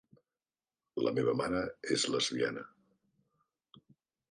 La meva mare és lesbiana.